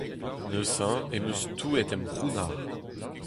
Neuze em eus touet em c’hounnar.